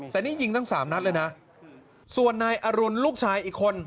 แต่นี่ยิงตั้งสามนัดเลยนะส่วนนายอรุณลูกชายอีกคน